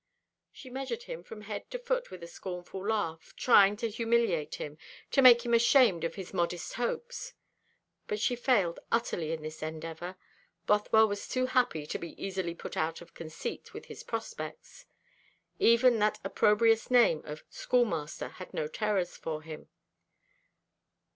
She measured him from head to foot with a scornful laugh; trying to humiliate him, to make him ashamed of his modest hopes. But she failed utterly in this endeavour. Bothwell was too happy to be easily put out of conceit with his prospects. Even that opprobrious name of "schoolmaster" had no terrors for him.